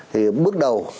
thì bước đầu